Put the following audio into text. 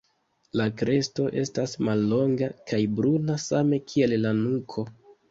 La kresto estas mallonga kaj bruna same kiel la nuko.